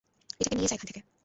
এটাকে নিয়ে যা এখান থেকে।